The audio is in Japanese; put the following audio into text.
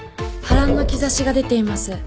波乱の兆しが出ています。